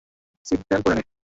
Seat belt পড়ে নে।